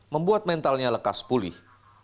membuat mentalnya lekas pulih